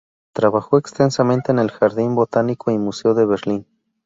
Trabajó extensamente en el "Jardín Botánico y Museo de Berlín".